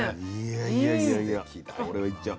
いやいやいやいやこれはいっちゃう。